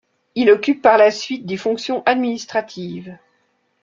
Il occupe par la suite des fonctions administratives.